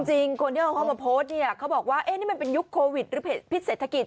จริงคนที่เอาเข้ามาโพสต์เนี่ยเขาบอกว่านี่มันเป็นยุคโควิดหรือพิษเศรษฐกิจ